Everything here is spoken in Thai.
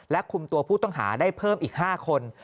คุมตัวผู้ต้องหาได้เพิ่มอีก๕คน